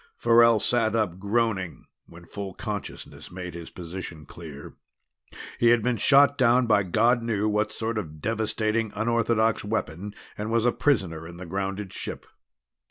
Farrell sat up, groaning, when full consciousness made his position clear. He had been shot down by God knew what sort of devastating unorthodox weapon and was a prisoner in the grounded ship.